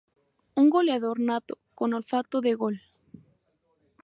Un goleador nato, con olfato de gol.